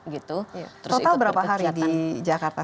total berapa hari di jakarta